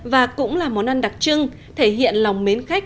và cũng là món ăn đặc trưng thể hiện lòng mến khách thể hiện lòng mến khách